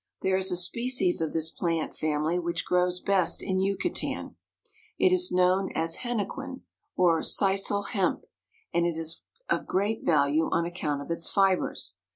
There is a species of this plant family which grows best in Yucatan. It is known as hene quen, or Sisal hemp, and is of great value on account of its fibers.